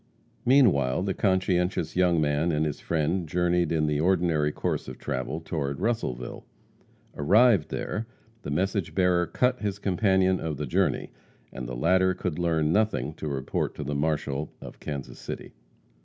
Meanwhile, the conscientious young man and his friend journeyed in the ordinary course of travel toward Russellville. Arrived there, the message bearer cut his companion of the journey, and the latter could learn nothing to report to the marshal of Kansas City.